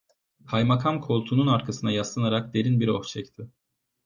Kaymakam koltuğunun arkasına yaslanarak derin bir oh çekti.